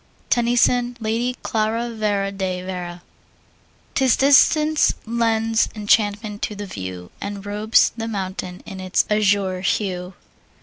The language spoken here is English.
TENNYSON, Lady Clara Vere de Vere. 'Tis distance lends enchantment to the view And robes the mountain in its azure hue.